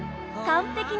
完璧！